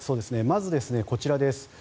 まず、こちらです。